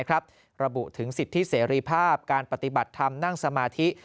ระบุถึงสิทธิเสรีภาพการปฏิบัติธรรมนั่งสมาธิ